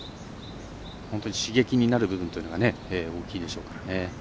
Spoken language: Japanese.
刺激になる部分というのが大きいでしょうからね。